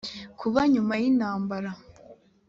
kuba nyuma y intambara